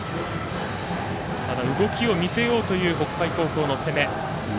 動きを見せようという北海高校の攻め。